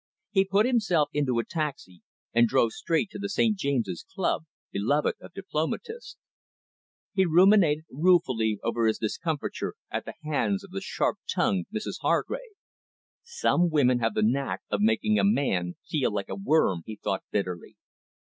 He put himself into a taxi, and drove straight to the St James's Club, beloved of diplomatists. He ruminated ruefully over his discomfiture at the hands of the sharp tongued Mrs Hargrave. "Some women have the knack of making a man feel like a worm," he thought bitterly.